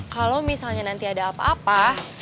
kalau misalnya nanti ada apa apa